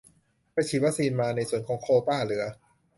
ไปฉีดวัคซีนมา ในส่วนของโควต้าเหลือ